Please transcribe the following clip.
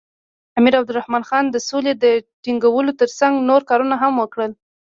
امیر عبدالرحمن خان د سولې ټینګولو تر څنګ نور کارونه هم وکړل.